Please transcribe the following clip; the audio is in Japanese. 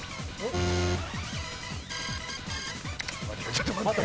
ちょっと待って。